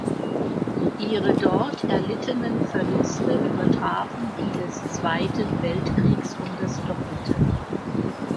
Ihre dort erlittenen Verluste übertrafen die des Zweiten Weltkriegs um das Doppelte.